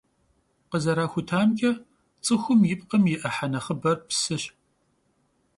Khızeraxutamç'e, ts'ıxum yi pkhım yi 'ıhe nexhıber psış.